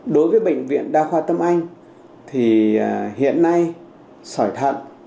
đối với bệnh viện đa khoa tâm anh thì hiện nay sỏi thận